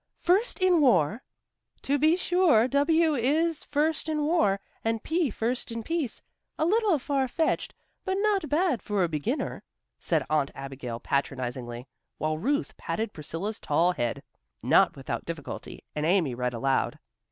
First in war " "To be sure W is first in war, and P first in peace. A little far fetched, but not bad for a beginner," said Aunt Abigail patronizingly, while Ruth patted Priscilla's tall head, not without difficulty, and Amy read aloud.